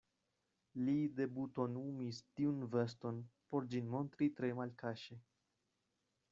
Li debutonumis tiun veston, por ĝin montri tre malkaŝe.